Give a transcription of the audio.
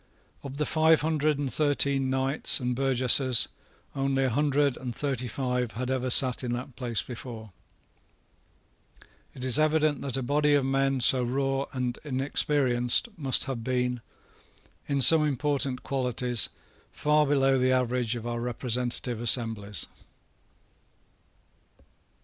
Of the five hundred and thirteen knights and burgesses only a hundred and thirty five had ever sate in that place before. It is evident that a body of men so raw and inexperienced must have been, in some important qualities, far below the average of our representative assemblies.